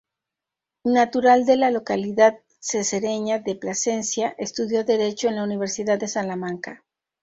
Natural de la localidad cacereña de Plasencia, estudió Derecho en la Universidad de Salamanca.